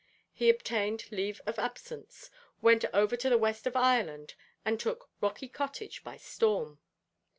He obtained leave of absence, went over to the west of Ireland, and took Rocky Cottage by storm.